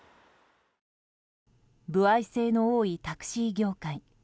歩合制の多いタクシー業界。